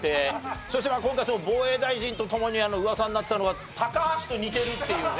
そして今回防衛大臣とともに噂になってたのが高橋と似てるっていうね。